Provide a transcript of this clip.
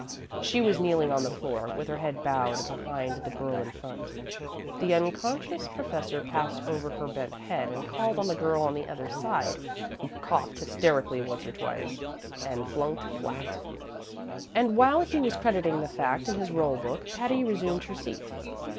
She was kneeling on the floor, with her head bowed behind the girl in front. The unconscious professor passed over her bent head and called on the girl on the other side, who coughed hysterically once or twice, and flunked flat; and while he was crediting the fact in his roll book Patty resumed her seat.